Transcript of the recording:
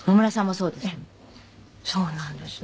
そうなんですよ。